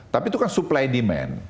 tapi itu kan supply demand